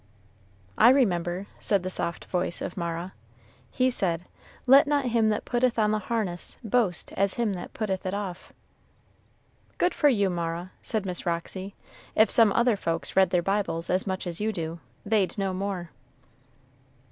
"I remember," said the soft voice of Mara; "he said, 'Let not him that putteth on the harness boast as him that putteth it off.'" "Good for you, Mara," said Miss Roxy; "if some other folks read their Bibles as much as you do, they'd know more."